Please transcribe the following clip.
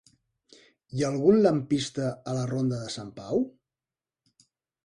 Hi ha algun lampista a la ronda de Sant Pau?